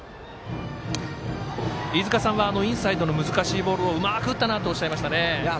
飯塚さんはインサイドの難しいボールをうまく打ったなとおっしゃいましたね。